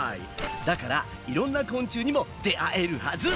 だからいろんな昆虫にも出会えるはず。